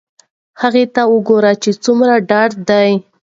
هغې ته وگوره چې څومره ډاډه ده.